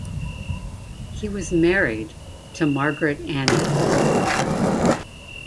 He was married, to Margaret Annie.